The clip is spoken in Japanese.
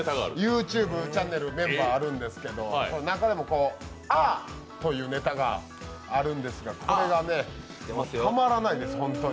ＹｏｕＴｕｂｅチャンネル、メンバーあるんですけれども中でも「Ａｈ！」というネタがあるんですが、これがね、たまらないです。